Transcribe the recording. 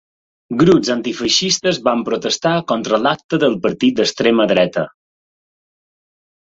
Grups antifeixistes van protestar contra l’acte del partit d’extrema dreta.